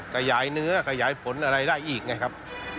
ขยายเนื้อขยายผลอะไรได้อีกไงครับ